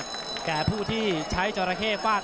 ติดตามยังน้อยกว่า